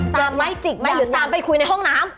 ตามไหมจิกไหมหรือตามไปคุยในห้องน้ำ